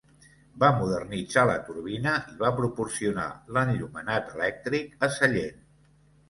Va modernitzar la turbina i va proporcionar l'enllumenat elèctric a Sallent.